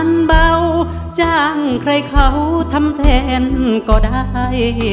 มันเบาจ้างใครเขาทำแทนก็ได้